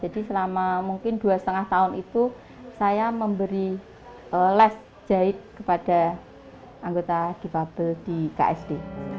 jadi selama mungkin dua setengah tahun itu saya memberi les jahit kepada anggota difabel di ksd